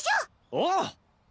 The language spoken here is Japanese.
おう！